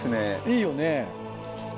いいよね。